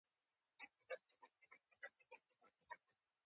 د یهودانو لپاره بیت المقدس د مکې په څېر دی.